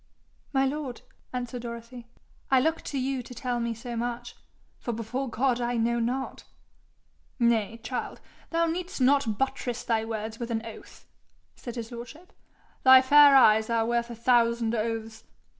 'My lord,' answered Dorothy, 'I look to you to tell me so much, for before God I know not.' 'Nay, child! thou need'st not buttress thy words with an oath,' said his lordship. 'Thy fair eyes are worth a thousand oaths.